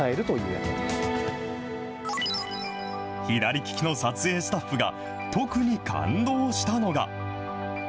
左利きの撮影スタッフが特に感動したのが。